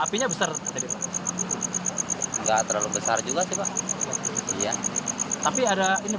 iya sama staff di sini